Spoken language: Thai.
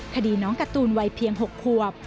คดีน้องการ์ตูนวัยเพียง๖ควบ